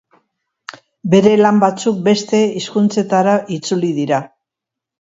Bere lan batzuk beste hizkuntzetara itzuli dira.